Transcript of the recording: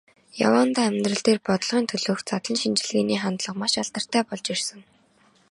Яваандаа амьдрал дээр, бодлогын төлөөх задлан шинжилгээний хандлага маш алдартай болж ирсэн.